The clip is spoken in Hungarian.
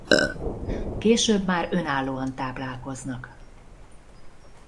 Később már önállóan táplálkoznak.